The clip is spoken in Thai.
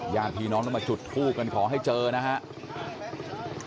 อย่างที่น้องเรามาจุดทูกกันขอให้เจอนะครับ